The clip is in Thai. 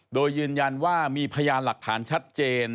โดยยืนยันว่ามีพยานหลักฐานชัดเจน